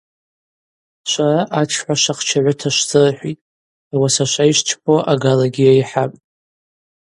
Швара атшгӏва швахчагӏвыта швзырхӏвитӏ, ауаса шва йшвчпауа агалагьи йайхӏапӏ.